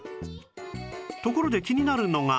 ところで気になるのが